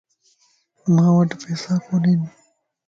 مان وٽ پيساڪونين